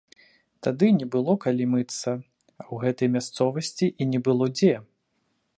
Тады не было калі мыцца, а ў гэтай мясцовасці і не было дзе.